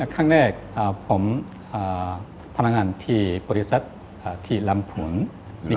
ครั้งแรกผมพนักงานที่บริษัทที่ลำผล